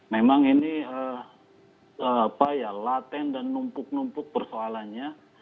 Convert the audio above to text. memang ini laten dan numpuk numpuk persoalannya